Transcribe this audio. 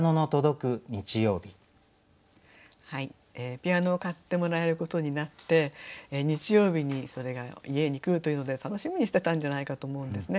ピアノを買ってもらえることになって日曜日にそれが家に来るというので楽しみにしてたんじゃないかと思うんですね。